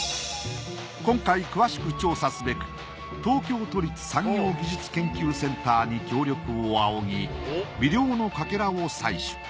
今回詳しく調査すべく東京都立産業技術研究センターに協力を仰ぎ微量のかけらを採取。